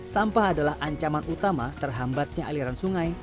sampah adalah ancaman utama terhambatnya aliran sungai